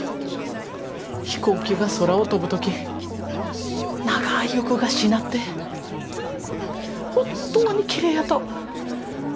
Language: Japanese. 飛行機が空を飛ぶ時長い翼がしなって本当にきれいやと。